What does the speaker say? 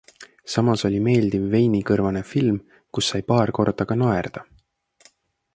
Samas oli meeldiv veinikõrvane film, kus sai paar korda ka naerda.